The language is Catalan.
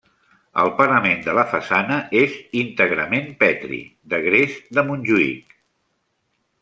El parament de la façana és íntegrament petri, de gres de Montjuïc.